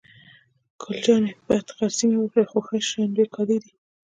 ګل جانې: بد خرڅي مې وکړل، خو ښه شبني کالي دي.